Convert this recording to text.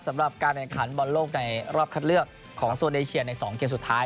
สำหรับการแข่งขันบอลโลกในรอบคัดเลือกของโซนเอเชียใน๒เกมสุดท้าย